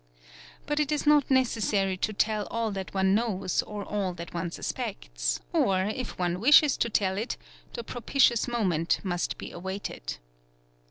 But it is not necessary to tell all that one knows or all that one suspects, or, if one wishes to tell it, the propitious moment must be awaited.